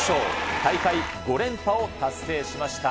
大会５連覇を達成しました。